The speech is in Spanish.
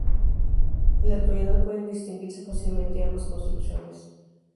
En la actualidad, pueden distinguirse fácilmente ambas construcciones.